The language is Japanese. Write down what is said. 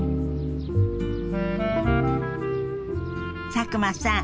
佐久間さん